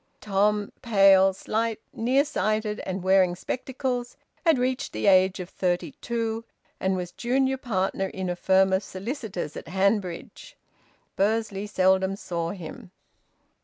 Tom, pale, slight, near sighted and wearing spectacles, had reached the age of thirty two, and was junior partner in a firm of solicitors at Hanbridge; Bursley seldom saw him.